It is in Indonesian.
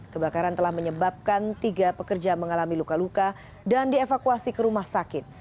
kebakaran telah menyebabkan tiga pekerja mengalami luka luka dan dievakuasi ke rumah sakit